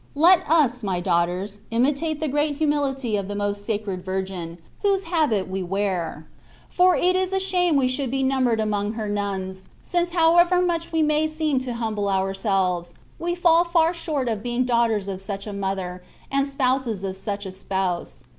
Let us, my daughters, imitate the great humi THB WAY OF PERFECTION. 63 lity of the most Sacred Virgin, whose habit we wear ; for it is a shame we should be numbered among her nuns, since however much we may seem to humble ourselves, we fall far short of being daughters of such a mother, and spouses of such a Spouse.